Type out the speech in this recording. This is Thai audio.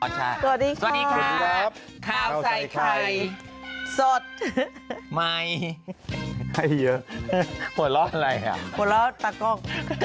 สวัสดีค่ะข้าวใส่ใครสดใหม่ให้เยอะหัวเล่าอะไรหัวเล่าตากกก